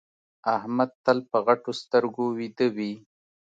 احمد تل په غټو سترګو ويده وي.